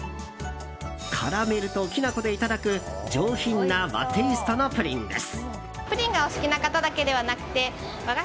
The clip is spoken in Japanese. カラメルときな粉でいただく上品な和テイストのプリンです。